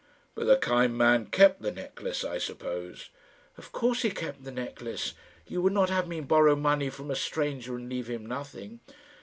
"But the kind man kept the necklace, I suppose." "Of course he kept the necklace. You would not have me borrow money from a stranger, and leave him nothing?"